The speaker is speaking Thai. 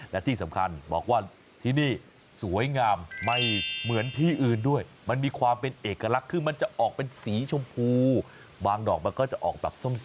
และที่สำคัญบอกว่าที่นี่สวยงามไม่เหมือนที่อื่นด้วยมันมีความเป็นเอกลักษณ์คือมันจะออกเป็นสีชมพูบางดอกมันก็จะออกแบบส้ม